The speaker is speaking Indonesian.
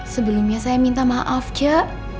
sebelumnya saya minta maaf jak